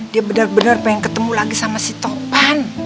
dia bener bener pengen ketemu lagi sama si topan